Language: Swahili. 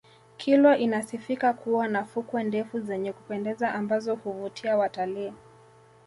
kilwa inasifika kuwa na fukwe ndefu zenye kupendeza ambazo huvutia watalii